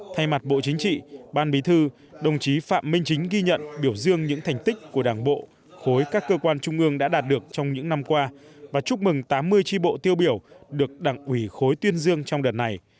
thay mặt bộ chính trị ban bí thư đồng chí phạm minh chính ghi nhận biểu dương những thành tích của đảng bộ khối các cơ quan trung ương đã đạt được trong những năm qua và chúc mừng tám mươi tri bộ tiêu biểu được đảng ủy khối tuyên dương trong đợt này